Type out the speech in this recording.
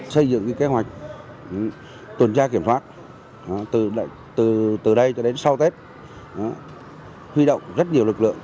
xây dựng kế hoạch tuần tra kiểm soát từ đây cho đến sau tết huy động rất nhiều lực lượng